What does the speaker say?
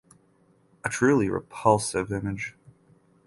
A truly repulsive image.